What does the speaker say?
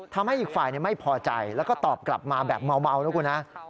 ทำให้อีกฝ่ายไม่พอใจแล้วก็ตอบกลับมาแบบเมานะครับ